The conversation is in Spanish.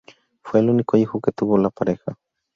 Fue el único hijo que tuvo la pareja.